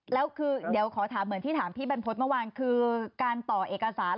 แล้วคือเดี๋ยวขอถามเหมือนที่ถามพี่บรรพฤษเมื่อวานคือการต่อเอกสาร